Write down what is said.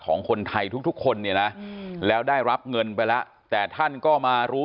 ของคนไทยทุกคนเนี่ยนะแล้วได้รับเงินไปแล้วแต่ท่านก็มารู้